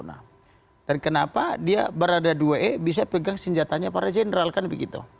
nah dan kenapa dia berada dua e bisa pegang senjatanya para jenderal kan begitu